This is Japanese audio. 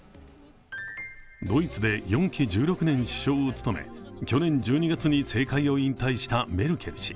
ドイツで４期１６年首相を務め去年１２月に政界を引退したメルケル氏。